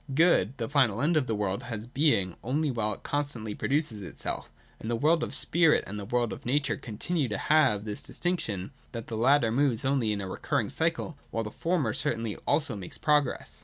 Good, the final end of the world, has being, only while it constantly produces itself. And the world of spirit and the world of nature continue to have this distinction, that the latter moves only in a recurring cycle, while the former certainly also makes progress.